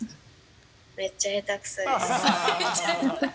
めっちゃ下手くそです。